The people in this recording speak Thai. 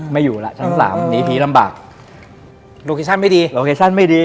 ไม่อยู่แล้วชั้นสามหนีผีลำบากโลเคชั่นไม่ดีโลเคชั่นไม่ดี